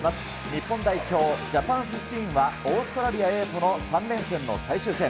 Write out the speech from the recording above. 日本代表ジャパン・フィフティーンは、オーストラリアＡとの３連戦の最終戦。